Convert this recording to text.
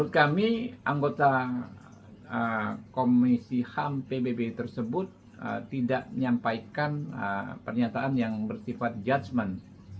kami anggota komisi ham pbb tersebut tidak menyampaikan pernyataan yang bersifat judgement